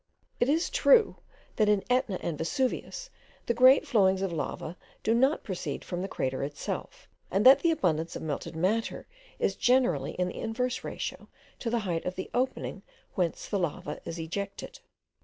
It is true, that in Etna and Vesuvius the great flowings of lava do not proceed from the crater itself, and that the abundance of melted matter is generally in the inverse ratio of the height of the opening whence the lava is ejected.